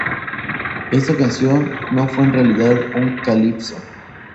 Esta canción no fue en realidad un calypso.